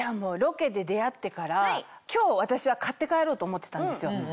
ロケで出合ってから今日私は買って帰ろうと思ってたんですよ。